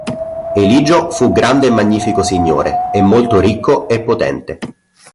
Eligio fu grande e magnifico signore, e molto ricco e potente.